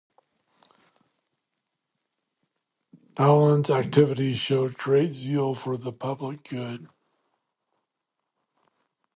Talon's activity showed great zeal for the public good.